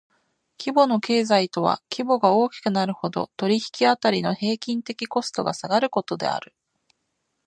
規模の経済とは規模が大きくなるほど、取引辺りの平均的コストが下がることである。